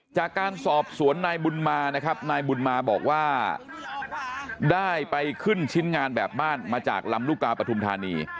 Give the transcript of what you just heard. จากการสอบสวนนายบุญมานะครับนายบุญมาบอกว่าได้ไปขึ้นชิ้นงานแบบบ้านมาจากลำลูกกาปฐุมธานี